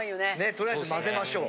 とりあえず混ぜましょう。